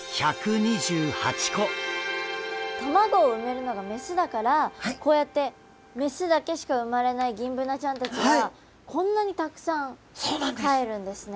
卵を産めるのが雌だからこうやって雌だけしか産まれないギンブナちゃんたちはこんなにたくさんかえるんですね。